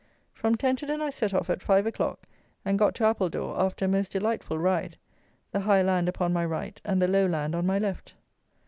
From Tenterden I set off at five o'clock, and got to Appledore after a most delightful ride, the high land upon my right, and the low land on my left.